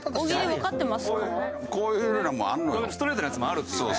ストレートなやつもあるっていうね。